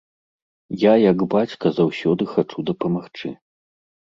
Я як бацька заўсёды хачу дапамагчы.